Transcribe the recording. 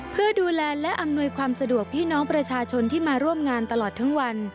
เพื่อดูแลและอำนวยความสะดวกพี่น้องประชาชนที่มาร่วมงานตลอดทั้งวัน